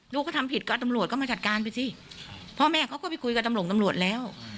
ลูกเขาทำผิดก็ตำรวจก็มาจัดการไปสิพ่อแม่เขาก็ไปคุยกับตำรวจตำรวจแล้ว